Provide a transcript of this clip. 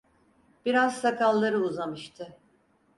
Biraz sakalları uzamıştı.